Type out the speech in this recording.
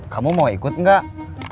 kamu mau ikut gak